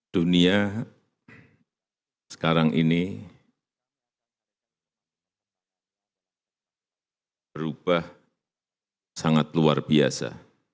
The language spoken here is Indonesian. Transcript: dunia sekarang ini berubah sangat luar biasa